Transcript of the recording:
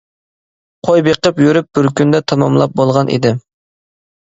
قوي بېقىپ يۈرۈپ بىر كۈندە تاماملاپ بولغان ئىدىم.